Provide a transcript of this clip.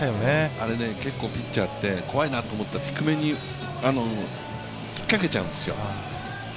あれ、結構ピッチャーって怖いなと思ったら低めに引っかけちゃうんですよ。